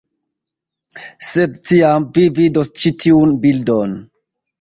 Sed tiam, vi vidos ĉi tiun bildon.